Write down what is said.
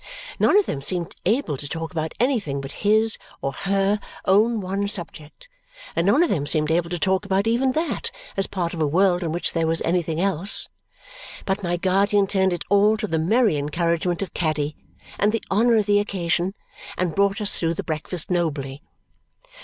None of them seemed able to talk about anything but his, or her, own one subject, and none of them seemed able to talk about even that as part of a world in which there was anything else; but my guardian turned it all to the merry encouragement of Caddy and the honour of the occasion, and brought us through the breakfast nobly.